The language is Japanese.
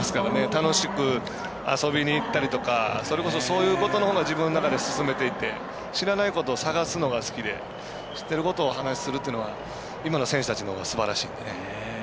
楽しく遊びにいったりとかそれこそ、そういうことのほうが自分の中で進めていて知らないことを探すのが好きで知っていることをお話しするというのが今の選手たちのほうがすばらしいのでね。